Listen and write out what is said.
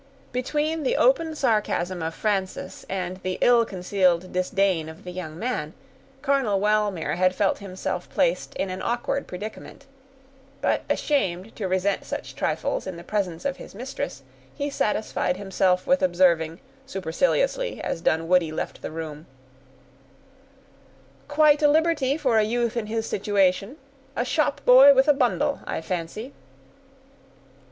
Between the open sarcasm of Frances, and the ill concealed disdain of the young man, Colonel Wellmere had felt himself placed in an awkward predicament; but ashamed to resent such trifles in the presence of his mistress, he satisfied himself with observing, superciliously, as Dunwoodie left the room,— "Quite a liberty for a youth in his situation; a shop boy with a bundle, I fancy."